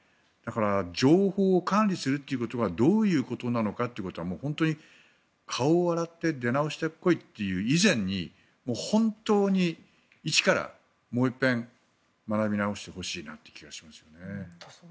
情報を管理するということがどういうことなのかということを本当に顔を洗って出直してこいという以前に本当に１からもう一遍学び直してほしいなという気がしますよね。